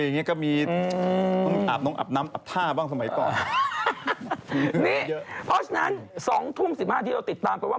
นี่เพราะฉะนั้น๒ทุ่ม๑๕นาทีเราติดตามไปว่า